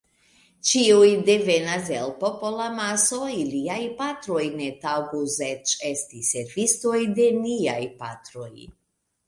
Ĉiuj devenas el popolamaso, iliaj patroj ne taŭgus eĉ esti servistoj de niaj patroj.